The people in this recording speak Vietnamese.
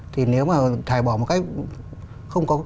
thì nếu mà thải bỏ một cách